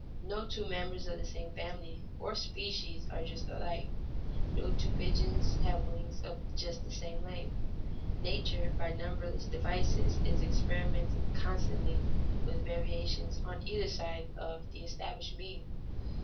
No two members of the same family or species are just alike; no two pigeons have wings of just the same length. Nature by numberless devices is experimenting constantly with variations on either side of the established mean.